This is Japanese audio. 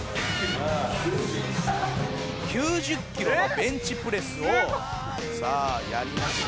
「９０キロのベンチプレスをさあやりますよ」